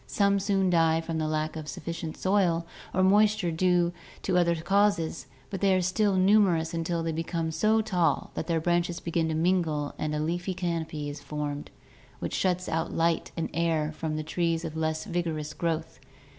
Some soon die from lack of sufficient soil or moisture or due to other causes, but they are still numerous until* they become so tall that their branches begin to mingle and a leafy canopy is formed which shuts out light and air from the trees of less vigorous growth.